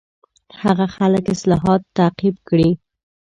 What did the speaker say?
خلک هغه اصلاحات تعقیب کړي.